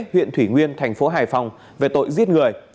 huyện thủy nguyên tp hải phòng về tội giết người